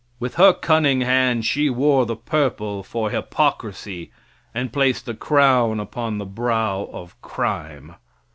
With her cunning hand, she wore the purple for hypocrisy, and placed the crown upon the brow of crime.